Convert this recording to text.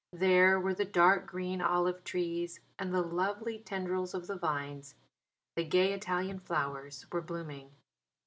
There were the dark green olive trees, and the lovely tendrils of the vines. The gay Italian flowers were blooming.